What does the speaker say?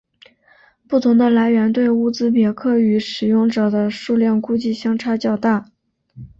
不同的来源对乌兹别克语使用者的数量估计相差较大。